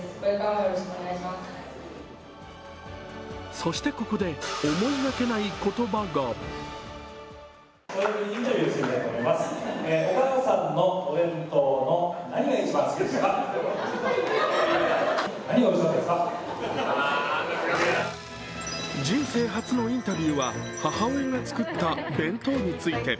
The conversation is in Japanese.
そしてここで、思いがけない言葉が人生初のインタビューは母親が作った弁当について。